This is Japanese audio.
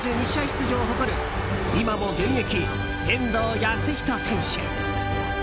出場を誇る今も現役、遠藤保仁選手。